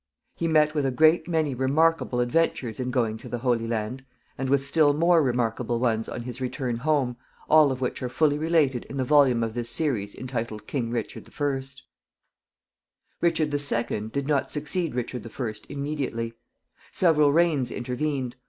He met with a great many remarkable adventures in going to the Holy Land, and with still more remarkable ones on his return home, all of which are fully related in the volume of this series entitled King Richard I. Richard II. did not succeed Richard I. immediately. Several reigns intervened.